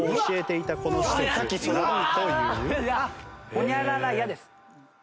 ホニャララ屋です。